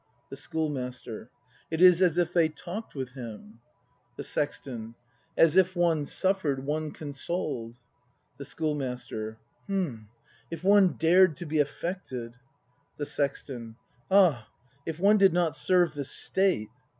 The Schoolmaster. It is as if they talk'd with him The Sexton. As if one suffer'd, one consoled — The Schoolmaster. H'm — if one dared to be affected! The Sexton. Ah, — if one did not serve the State!